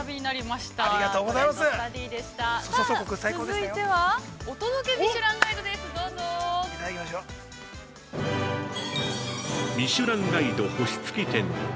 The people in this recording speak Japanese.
続いては「お届けミシュランガイド」です。